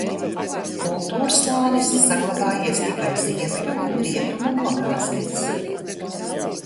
Kultūrslānis saglabājies tikai ziemeļu un rietumu nogāzēs.